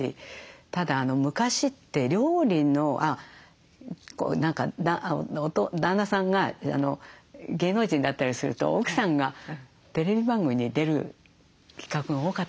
ただ昔って料理の旦那さんが芸能人だったりすると奥さんがテレビ番組に出る企画が多かったんですよ昔。